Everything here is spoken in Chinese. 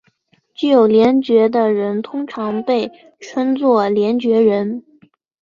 具有联觉的人通常被称作联觉人。